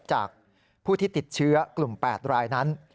จากผู้ที่ติดเชื้อกลุ่ม๘รายนั้น